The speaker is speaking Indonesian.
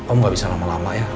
om gak bisa lama lama ya